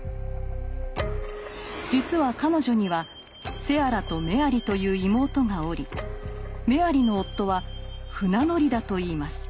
実は彼女にはセアラとメアリという妹がおりメアリの夫は船乗りだといいます。